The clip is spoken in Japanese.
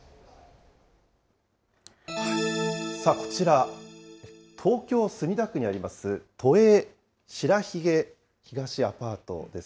こちら、東京・墨田区にあります、都営白鬚東アパートです。